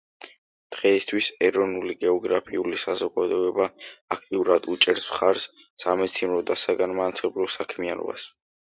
დღეისათვის ეროვნული გეოგრაფიული საზოგადოება აქტიურად უჭერს მხარს სამეცნიერო და საგანმანათლებლო საქმიანობას.